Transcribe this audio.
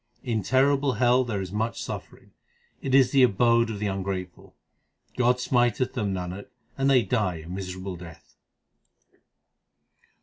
In terrible hell there is much suffering ; it is the abode of the ungrateful. God smiteth them, Nanak, and they die a miserable death.